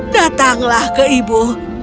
datanglah ke ibu